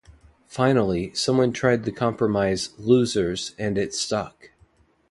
Finally, someone tried the compromise "lusers", and it stuck.